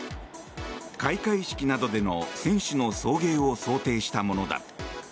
開会式などでの選手の送迎を想定したものだ。